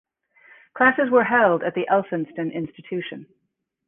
Classes were held at the Elphinstone Institution.